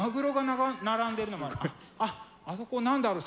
あっあそこ何だろう？